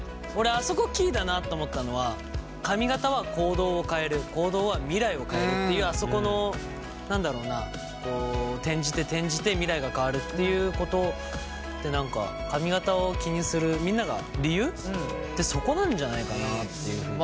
俺あそこキーだなと思ったのは「髪形は行動を変える行動は未来を変える」っていうあそこの何だろうな転じて転じて未来が変わるっていうことって何か髪形を気にするみんなが理由？ってそこなんじゃないかなっていう。